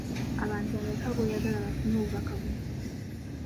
Abantu bameka b'oyagala bafune obubaka buno?